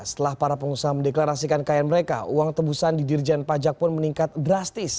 setelah para pengusaha mendeklarasikan kekayaan mereka uang tebusan di dirjen pajak pun meningkat drastis